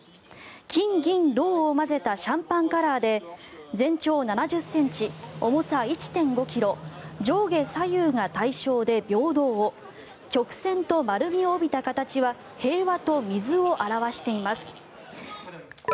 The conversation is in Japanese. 金銀銅を混ぜたシャンパンカラーで全長７０ｃｍ、重さ１．５ｋｇ上下左右が対称で、平等を曲線と丸みを帯びた形は平和と水を表しています。